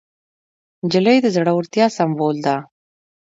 نجلۍ د زړورتیا سمبول ده.